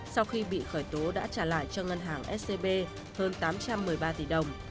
sau khi bị khởi tố đã trả lại cho ngân hàng scb hơn tám trăm một mươi ba tỷ đồng